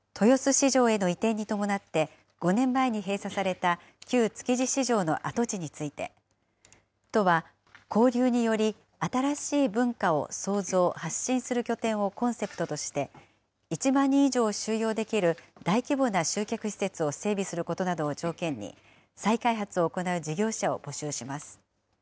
市場への移転に伴って５年前に閉鎖された旧築地市場の跡地について、都は、交流により、新しい文化を創造・発信する拠点をコンセプトとして、１万人以上収容できる大規模な集客施設を整備することなどを条件に、再開発を行う事業者を募集します。